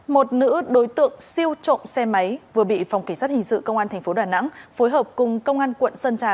một nữ đối tượng siêu trộm xe máy vừa bị phòng kỳ sát hình sự công an tp đà nẵng phối hợp cùng công an quận sơn trà